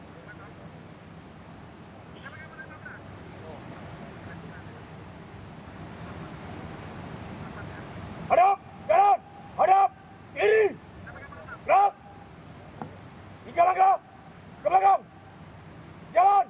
jangan lupa untuk berlangganan dan berlangganan